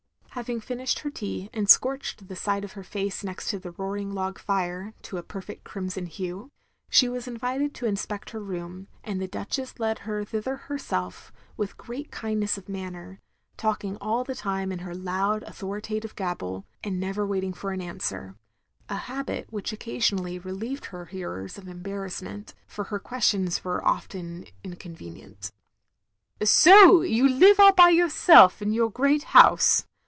Having finished her tea, and scorched the side of her face next the roaring log fire, to a perfectly crimson hue — she was invited to inspect OP GROSVENOR SQUARE 269 her room, and the Duchess led her thither herself with great kindness of manner, talking all the time in her loud authoritative gabble, and never waiting for an answer; a habit which occasionally relieved her hearers of embarrassment, for her questions were often inconvenient. "So you live all by yourself in your great house.